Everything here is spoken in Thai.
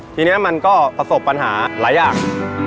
ทีนี้มันก็ประสบปัญหาหลายอย่าง